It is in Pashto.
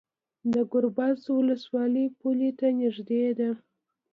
د ګربز ولسوالۍ پولې ته نږدې ده